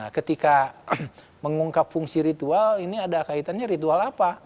ketika mengungkap fungsi ritual ini ada kaitannya ritual apa